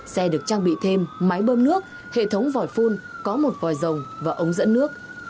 xe được trang bị thêm máy bơm nước hệ thống vòi phun có một vòi rồng và ống dẫn nước